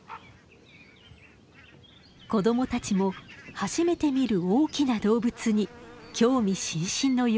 子供たちも初めて見る大きな動物に興味津々の様子。